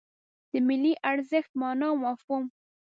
د ملي ارزښت مانا او مفهوم